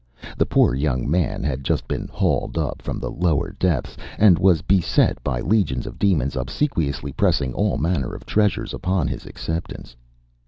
The poor young man had just been hauled up from the lower depths, and was beset by legions of demons obsequiously pressing all manner of treasures upon his acceptance.